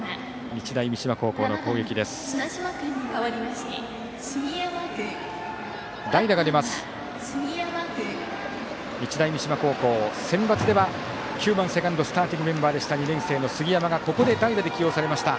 日大三島高校センバツでは９番セカンドスターティングメンバーだった杉山がここで代打で起用されました。